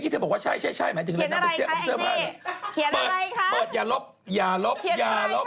พูดนานอะไรบ้างเยอะไปบอกมาเลย